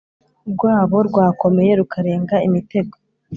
rwabo rwakomeye rukarenga imitego